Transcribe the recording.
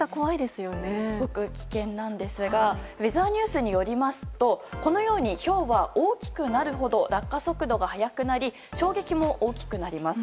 すごく危険なんですがウェザーニュースによりますとこのようにひょうは大きくなるほど落下速度が速くなり衝撃も大きくなります。